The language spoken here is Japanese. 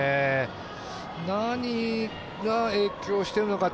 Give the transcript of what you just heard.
何が影響しているのか